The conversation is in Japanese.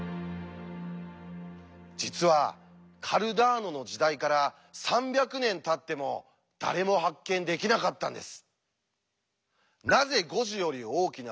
実はカルダーノの時代から３００年たっても誰も発見できなかったんです。